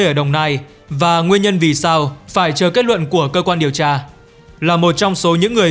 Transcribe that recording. ở đồng nai và nguyên nhân vì sao phải chờ kết luận của cơ quan điều tra là một trong số những người